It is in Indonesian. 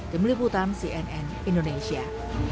demi liputan cnn indonesia